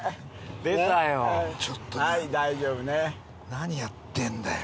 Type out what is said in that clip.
何やってんだよ？